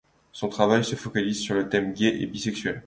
Son travail se focalise sur des thèmes gays et bisexuels.